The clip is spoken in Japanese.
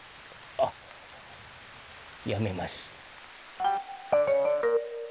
あっやめます。